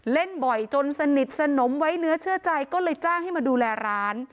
เล่นบ่อยจนสนิทสนมไว้เนื้อเชื่อใจก็เลยจ้างให้มาดูแลร้าน